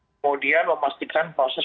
kemudian memastikan proses